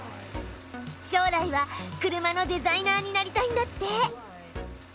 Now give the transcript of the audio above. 将来は車のデザイナーになりたいんだって！